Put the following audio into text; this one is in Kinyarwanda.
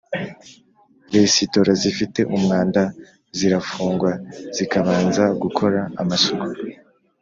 Resitora zifite umwanda zirafungwa zikabanza gukora amasuku